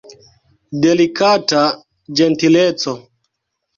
Delikata ĝentileco!